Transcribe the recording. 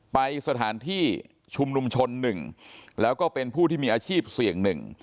ไปสถานที่ชุมนุมชน๑แล้วก็เป็นผู้ที่มีอาชีพเสี่ยง๑